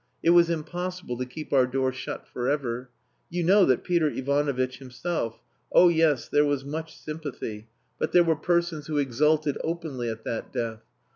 It was impossible to keep our door shut for ever. You know that Peter Ivanovitch himself.... Oh yes, there was much sympathy, but there were persons who exulted openly at that death.